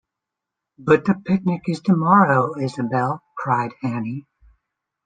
“But the picnic is tomorrow, Isobel,” cried Anne.